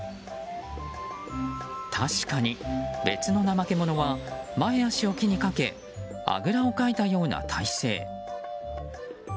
確かに、別のナマケモノは前足を木にかけあぐらをかいたような体勢。